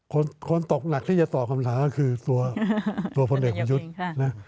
คนคนตกหนักที่จะตอบคำถามก็คือตัวตัวพลเด็กมายุธค่ะนะ